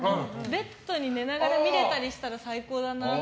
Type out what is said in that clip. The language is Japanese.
ベッドに寝ながら見れたりしたら最高だなって。